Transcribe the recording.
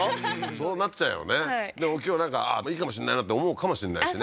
そうなっちゃうよねでも今日なんかいいかもしんないなって思うかもしんないしね